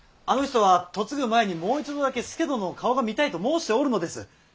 あの人は嫁ぐ前にもう一度だけ佐殿の顔が見たいと申しておるのです。